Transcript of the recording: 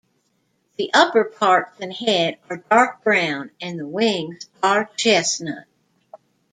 The upperparts and head are dark brown, and the wings are chestnut.